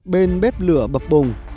bên bếp lửa bập bồng